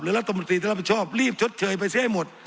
รัฐมนตรีจะรับผิดชอบรีบชดเชยไปเสียให้หมด